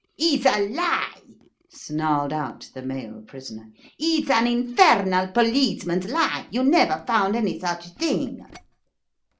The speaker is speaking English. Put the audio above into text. "It's a lie!" snarled out the male prisoner. "It's an infernal policeman's lie! You never found any such thing!"